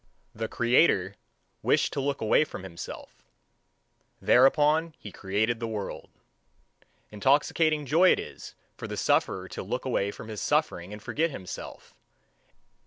The creator wished to look away from himself, thereupon he created the world. Intoxicating joy is it for the sufferer to look away from his suffering and forget himself.